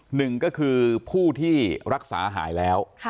หนึ่งก็คือผู้ที่รักษาหายแล้ว